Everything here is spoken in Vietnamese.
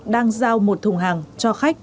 đang giao một thùng hàng cho khách